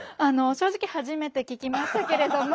正直初めて聞きましたけれども。